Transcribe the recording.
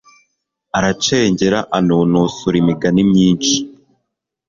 aracengera, anonosora imigani myinshi